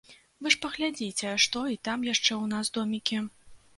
Вы ж паглядзіце, што і там яшчэ ў нас домікі.